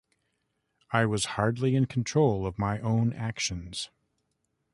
I was hardly in control of my own actions.